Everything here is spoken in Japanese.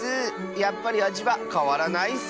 やっぱりあじはかわらないッス！